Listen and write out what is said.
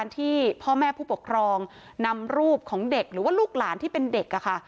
ที่พ่อแม่ผู้ปกครองนำรูปของเด็กหรือว่าลูกหลานที่เป็นเด็กค่ะ